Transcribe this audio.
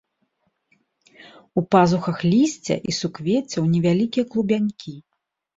У пазухах лісця і суквеццяў невялікія клубянькі.